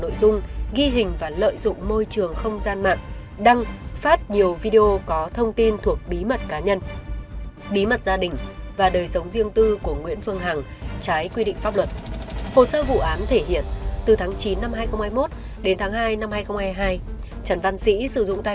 ông trần văn sĩ sử dụng tài khoản youtube luật sư trần văn sĩ